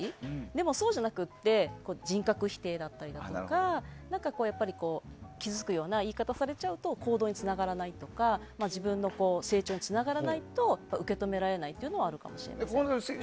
でもそうじゃなくて人格否定や傷つくような言い方をされると行動につながらないとか自分の成長につながらないと受け止められないというのはあると思います。